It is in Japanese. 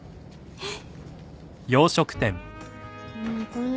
えっ？